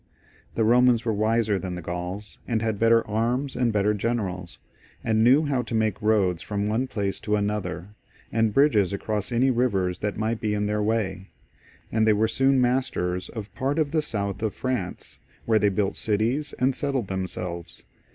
The Romans were wiser than the Grauls, and had better arms and better generals, and knew how to make roads from one place to another, and bridges across any rivers that might be in their way; and they were soon masters of part of the south of France, where they built cities and settled them selves.